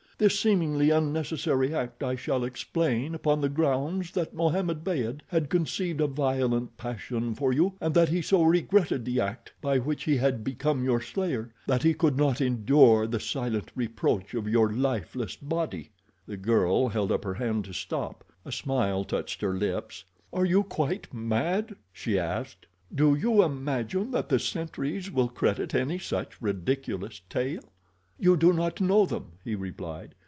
This seemingly unnecessary act I shall explain upon the grounds that Mohammed Beyd had conceived a violent passion for you and that he so regretted the act by which he had become your slayer that he could not endure the silent reproach of your lifeless body." The girl held up her hand to stop. A smile touched her lips. "Are you quite mad?" she asked. "Do you imagine that the sentries will credit any such ridiculous tale?" "You do not know them," he replied.